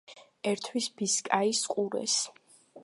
ერთვის ბისკაიის ყურეს.